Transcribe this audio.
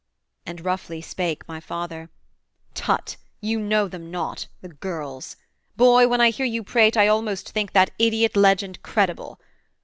And roughly spake My father, 'Tut, you know them not, the girls. Boy, when I hear you prate I almost think That idiot legend credible.